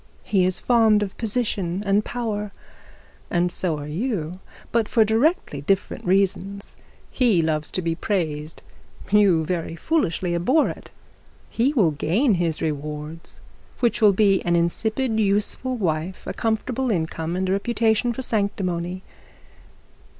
He is fond of position and power, and so are you, but for directly different reasons. He loves to be praised, you very foolishly abhor it. He will gain his rewards, which will be an insipid useful wife, a comfortable income, and a reputation for sanctimony.